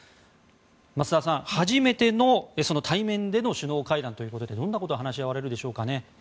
増田さん、初めての対面での首脳会談ということでどんなことが話し合われるでしょうか。